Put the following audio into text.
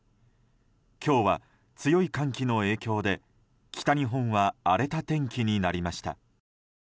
今日は、強い寒気の影響で北日本は荒れた天気になりました。